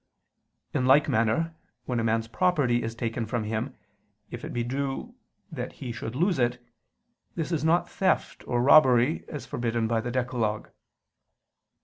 In like manner when a man's property is taken from him, if it be due that he should lose it, this is not theft or robbery as forbidden by the decalogue.